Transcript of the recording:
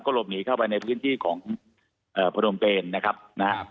ก็หลบหนีเข้าไปในพื้นที่ของพระดมเตรนนะครับนะ